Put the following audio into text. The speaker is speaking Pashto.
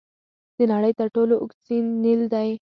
د نړۍ تر ټولو اوږد سیند نیل دی.